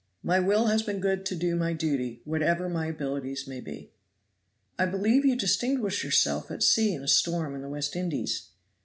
"My will has been good to do my duty, whatever my abilities may be." "I believe you distinguished yourself at sea in a storm in the West Indies?"